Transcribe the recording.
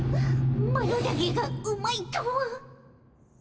マロだけがうまいとは。